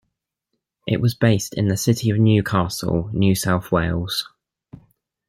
It was based in the city of Newcastle, New South Wales.